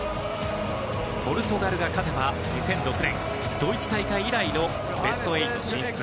ポルトガルが勝てば２００６年ドイツ大会以来のベスト８進出。